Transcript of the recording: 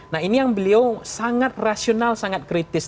nah ini yang beliau sangat rasional sangat kritis